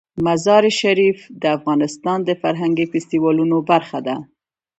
مزارشریف د افغانستان د فرهنګي فستیوالونو برخه ده.